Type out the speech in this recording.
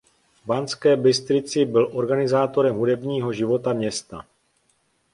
V Banské Bystrici byl organizátorem hudebního života města.